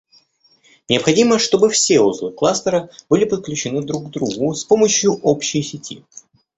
Необходимо чтобы все узлы кластера были подключены друг к другу с помощью общей сети